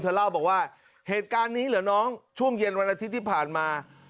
เล่าบอกว่าเหตุการณ์นี้เหรอน้องช่วงเย็นวันอาทิตย์ที่ผ่านมา